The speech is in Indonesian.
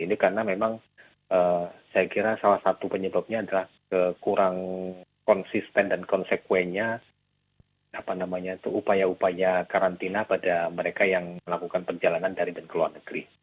ini karena memang saya kira salah satu penyebabnya adalah kekurang konsisten dan konsekuennya upaya upaya karantina pada mereka yang melakukan perjalanan dari dan ke luar negeri